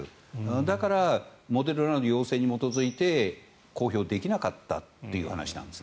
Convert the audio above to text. だから、モデルナの要請に基づいて公表できなかったという話なんです。